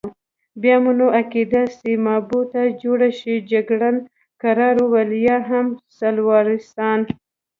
بیا مو نو عقیده سیمابو ته جوړه شي، جګړن کرار وویل: یا هم سالوارسان.